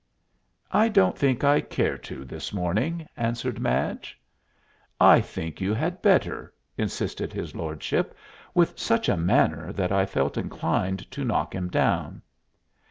"I don't think I care to this morning," answered Madge. "I think you had better," insisted his lordship, with such a manner that I felt inclined to knock him down.